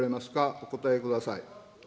お答えください。